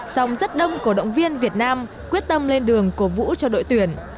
song rất đông cổ động viên việt nam quyết tâm lên đường cổ vũ cho đội tuyển